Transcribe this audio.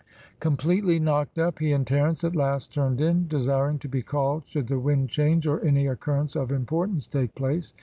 Completely knocked up, he and Terence at last turned in, desiring to be called should the wind change, or any occurrence of importance take place.